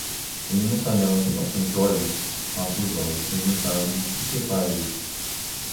Em uma panela com bastante óleo, faça os ovos fermentados e separe-os.